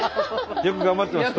よく頑張ってます